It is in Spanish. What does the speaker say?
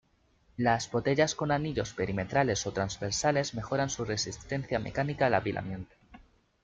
Las botellas con anillos perimetrales o transversales mejoran su resistencia mecánica al apilamiento.